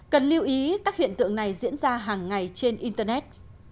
cần lưu ý các hiện tượng này diễn ra hàng ngày trên internet